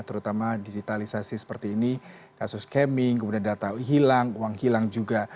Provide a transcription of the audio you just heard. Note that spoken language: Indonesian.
terutama digitalisasi seperti ini kasus caming kemudian data hilang uang hilang juga